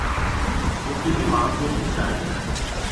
প্রকৃতি মানবগােষ্ঠী চায় নি।